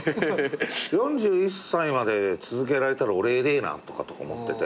４１歳まで続けられたら俺偉えなとか思ってて。